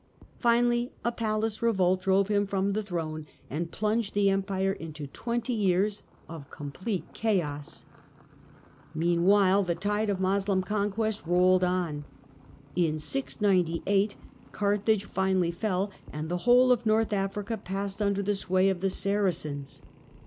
Finally a palace revolt drove him from the throne and plunged the Empire into twenty years of complete chaos. Meanwhile the tide of Moslem conquest rolled on. Moslem In 698 Carthage finally fell, and the whole of North f North Africa passed under the sway of the Saracens.